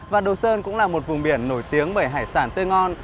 và đồ sơn cũng là một vùng biển nổi tiếng bởi hải sản tươi ngon